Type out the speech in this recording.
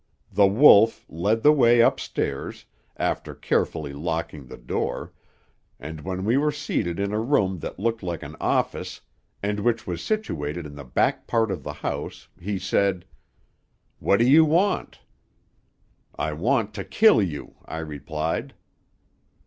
The Wolf led the way up stairs, after carefully locking the door, and when we were seated in a room that looked like an office, and which was situated in the back part of the house, he said, "What do you want?' "'I want to kill you,' I replied.